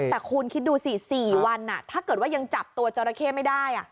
แต่คุณคิดดูสิ๔วันถ้าเกิดว่ายังจับตัวจราเข้ไม่ได้